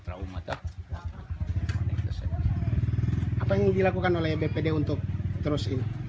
apa yang dilakukan oleh bpd untuk terus ini